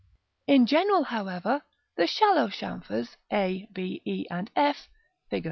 In general, however, the shallow chamfers, a, b, e, and f, Fig.